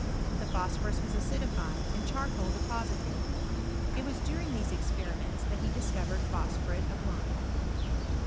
The phosphorus was acidified, i charcoal deposited. It was during these exp ments that he discovered phosphuretof lime.